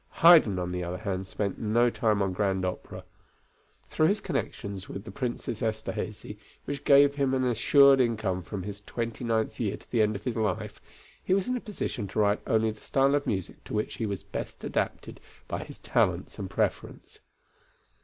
Haydn, on the other hand, spent no time on grand opera. Through his connection with the Princes Esterhazy, which gave him an assured income from his twenty ninth year to the end of his life, he was in a position to write only the style of music to which he was best adapted by his talents and preference.